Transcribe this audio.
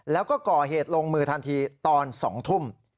แล้วก็ก่อเหตุลงมือทันทีตอน๒ทุ่ม